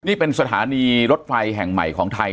นี่เป็นสถานีรถไฟแห่งใหม่ของไทย